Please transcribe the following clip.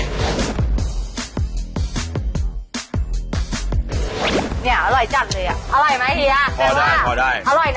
เนี่ยอร่อยจัดเลยอ่ะอร่อยไหมพี่อ่ะพอได้